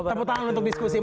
itu ada yang periods median